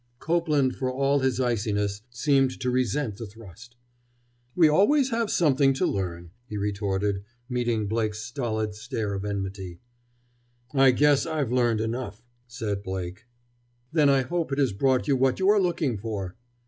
Copeland, for all his iciness, seemed to resent the thrust. "We have always something to learn," he retorted, meeting Blake's stolid stare of enmity. "I guess I've learned enough!" said Blake. "Then I hope it has brought you what you are looking for!"